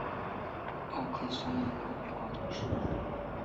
奥克松人口变化图示